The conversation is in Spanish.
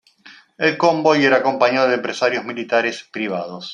El convoy era acompañado de empresarios militares privados.